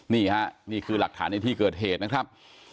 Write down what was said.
นี่ค่ะนี่คือหลักฐานในที่เกิดเหตุนะครับ